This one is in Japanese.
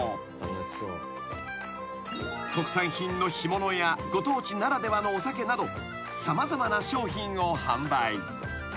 ［特産品の干物やご当地ならではのお酒など様々な商品を販売］